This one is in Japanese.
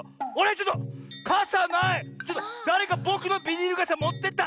ちょっとだれかぼくのビニールがさもってった！